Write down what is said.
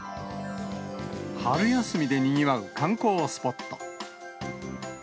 春休みでにぎわう観光スポット。